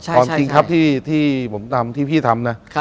ความจริงครับที่ผมทำที่พี่ทำนะ